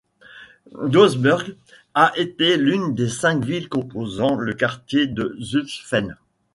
Doesburg a été l'une des cinq villes composant le quartier de Zutphen.